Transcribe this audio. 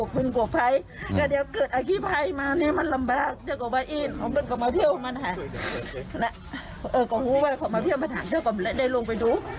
เลยได้ลงไปดู